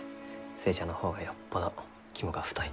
寿恵ちゃんの方がよっぽど肝が太い。